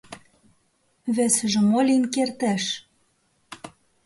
— Весыже мо лийын кертеш?